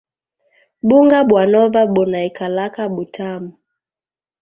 Bunga bwa nova bunaikalaka butamu